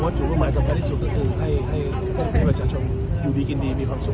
จุดเป้าหมายสำคัญที่สุดก็คือให้ประชาชนอยู่ดีกินดีมีความสุข